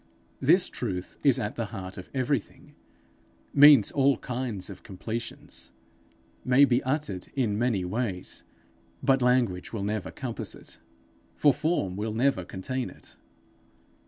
This truth is at the heart of everything, means all kinds of completions, may be uttered in many ways; but language will never compass it, for form will never contain it.